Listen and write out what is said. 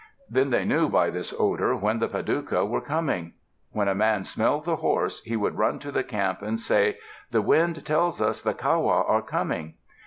Then they knew by this odor when the Padouca were coming. When a man smelled the horses, he would run to the camp and say, "The wind tells us the Kawa are coming."